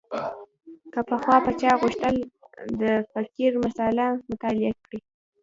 که پخوا به چا غوښتل د فقر مسأله مطالعه کړي.